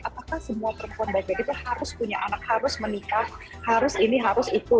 apakah semua perempuan baik baik itu harus punya anak harus menikah harus ini harus itu